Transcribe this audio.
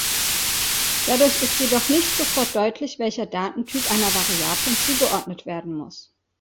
Dadurch ist jedoch nicht sofort deutlich, welcher Datentyp einer Variablen zugeordnet werden muss.